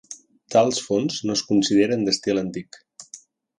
Tals fonts no es consideren d'estil antic.